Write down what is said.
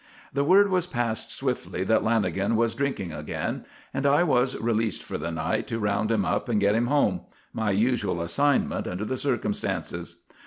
The word was passed swiftly that Lanagan was drinking again, and I was released for the night to round him up and get him home my usual assignment under the circumstances.